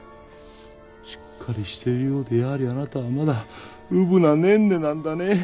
しっかりしているようでやはりあなたはまだうぶなねんねなんだね。